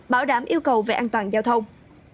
bảo đảm yêu cầu về an toàn giao thông